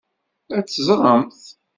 Ad teẓremt.